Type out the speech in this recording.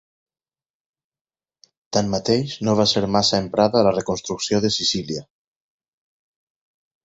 Tanmateix no va ser massa emprada a la reconstrucció de Sicília.